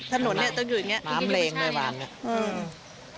ถนนเนี่ยต้องอยู่อย่างเงี้ยน้ำเลงเลยวานเนี่ย